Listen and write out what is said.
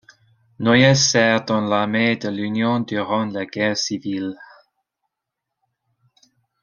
Noyes sert dans l'armée de l'Union durant la guerre civile.